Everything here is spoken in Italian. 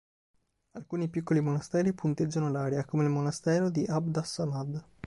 Alcuni piccoli monasteri punteggiano l'area, come il monastero di Abd as-Samad.